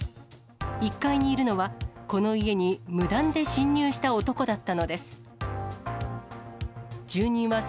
１階にいるのは、この家に無断で侵入した男だったのです。